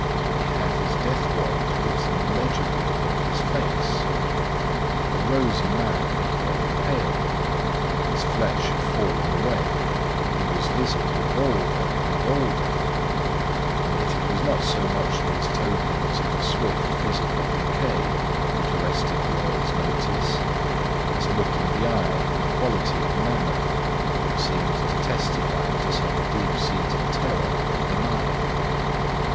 He had his death warrant written legibly upon his face. The rosy man had grown pale; his flesh had fallen away; he was visibly balder and older; and yet it was not so much these tokens of a swift physical decay that arrested the lawyer's notice, as a look in the eye and quality of manner that seemed to testify to some deep seated terror of the mind.